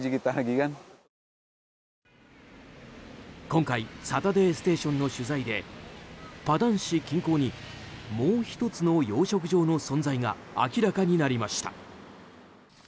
今回「サタデーステーション」の取材でパダン市近郊にもう１つの養殖場の存在が明らかになりました。